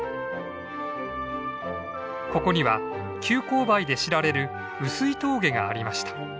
ここには急勾配で知られる碓氷峠がありました。